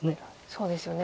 そうですよね。